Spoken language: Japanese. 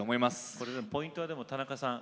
これでもポイントはでも田中さん